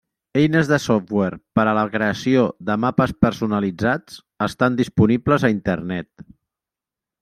Eines de software per a la creació de mapes personalitzats estan disponibles a Internet.